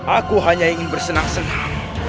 aku hanya ingin bersenang senang